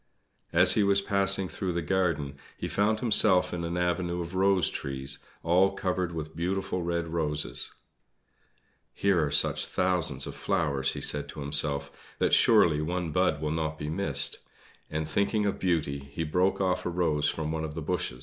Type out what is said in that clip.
As he was passing through the garden he found himself in an avenue of rose trees, all covered with beautiful red roses. "Here are such thousands of flowers," he said to himself, "that, surely, one bud will not be missed;" and, thinking of Beauty, he broke off a rose from one of the bushes.